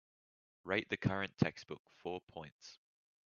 rate the current textbook four points